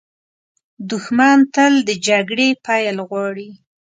دښمن تل د جګړې پیل غواړي